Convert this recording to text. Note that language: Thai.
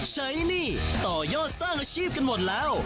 หนี้ต่อยอดสร้างอาชีพกันหมดแล้ว